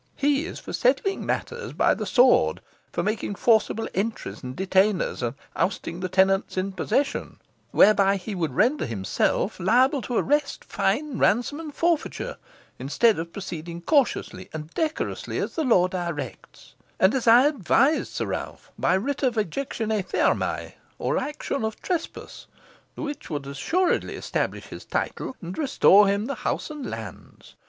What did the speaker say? He is for settling matters by the sword, for making forcible entries and detainers, and ousting the tenants in possession, whereby he would render himself liable to arrest, fine, ransom, and forfeiture; instead of proceeding cautiously and decorously as the law directs, and as I advise, Sir Ralph, by writ of ejectione firmæ or action of trespass, the which would assuredly establish his title, and restore him the house and lands.